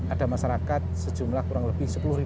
ada masyarakat sejumlah kurang lebih